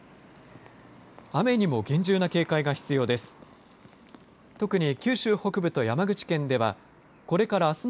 雨にも厳重な警戒が必要です。